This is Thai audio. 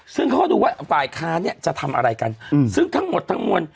ซึ่งเขาก็ดูว่าฝ่ายค้านเนี่ยจะทำอะไรกันซึ่งทั้งหมดทั้งมวล